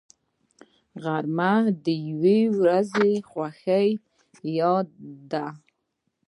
غرمه د یووختي خوښۍ یاد ده